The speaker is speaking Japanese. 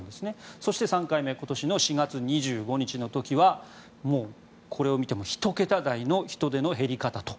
そして、３回目今年の４月２５日の時はもうこれを見ても１桁台の人出の減り方と。